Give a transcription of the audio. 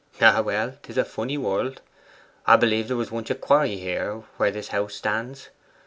Ah, well! 'tis a funny world. 'A b'lieve there was once a quarry where this house stands.